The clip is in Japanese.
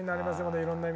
いろんな意味で。